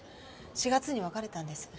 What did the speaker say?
４月に別れたんです。